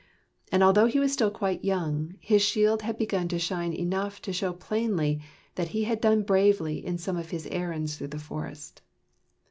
And although he was still quite young, his shield had begun to shine enough to show plainly that he had done bravely in some of his errands through the forest.